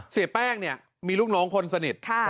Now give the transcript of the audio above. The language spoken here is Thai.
เสียแป้งเนี่ยมีลูกน้องคนสนิท